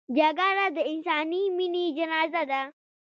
جګړه د انساني مینې جنازه ده